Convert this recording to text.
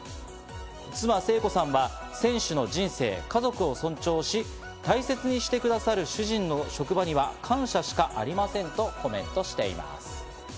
妻・聖子さんは選手の人生、家族を尊重し、大切にしてくださる主人の職場には感謝しかありませんとコメントしています。